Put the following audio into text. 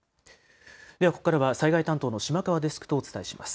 ではここからは災害担当の島川デスクとお伝えします。